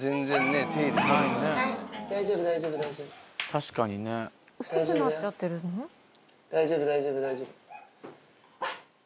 大丈夫大丈夫大丈夫。